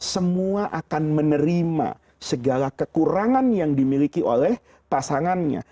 semua akan menerima segala kekurangan yang dimiliki oleh pasangannya